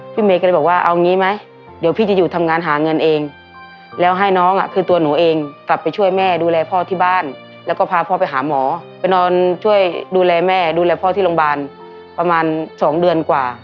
ไปนอนช่วยดูแลแม่ดูแลพ่อที่โรงพยาบาลประมาณสองเดือนกว่า